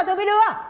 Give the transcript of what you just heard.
tôi mới đưa